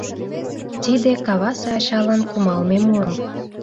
Тиде — Кавасе Ачалан кумалме муро.